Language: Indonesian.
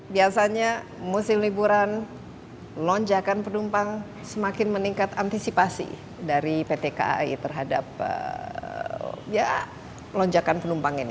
biasanya musim liburan lonjakan penumpang semakin meningkat antisipasi dari pt kai terhadap ya lonjakan penumpang ini